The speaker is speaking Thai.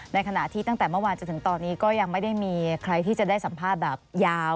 ในขณะที่ตั้งแต่เมื่อวานจนถึงตอนนี้ก็ยังไม่ได้มีใครที่จะได้สัมภาษณ์แบบยาว